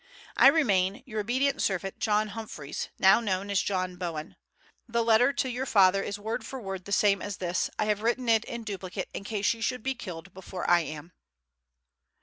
I remain, your obedient servant, John Humphreys, now known as John Bowen. The letter to your father is word for word the same as this. I have written it in duplicate in case you should be killed before I am."